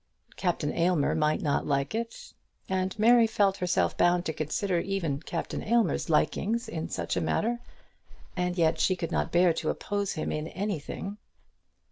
Captain Aylmer might not like it; and Mary felt herself bound to consider even Captain Aylmer's likings in such a matter. And yet she could not bear to oppose him in anything.